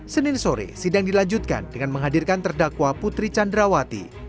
senin sore sidang dilanjutkan dengan menghadirkan terdakwa putri candrawati